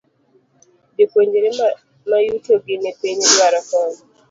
Jopuonjre mayuto gi ni piny dwaro kony.